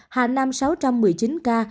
hà nam sáu một mươi chín ca